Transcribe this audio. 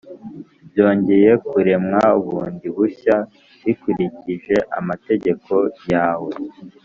byongeye kuremwa bundi bushya bikurikije amategeko yawe,